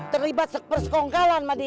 terlibat persekongkalan sama dia